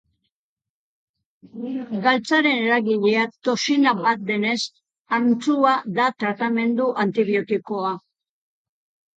Gaitzaren eragilea toxina bat denez, antzua da tratamendu antibiotikoa.